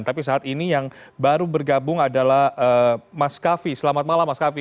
tapi saat ini yang baru bergabung adalah mas kavi selamat malam mas kavi